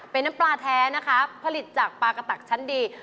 เป็นน้ำปลาแท้นะคะผลิตจากปลากระตักชั้นดี